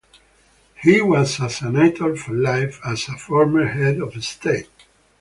He was a senator for life as a former head of state.